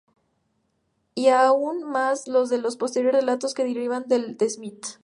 Y aún más lo son los posteriores relatos que derivan del de Smith.